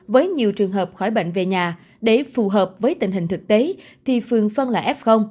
với nhiều trường hợp khỏi bệnh về nhà để phù hợp với tình hình thực tế thì phường phân là f